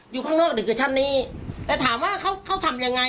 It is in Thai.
อยู่ข้างนอกหรือกับชั้นนี้แต่ถามว่าเขาเขาทำยังไง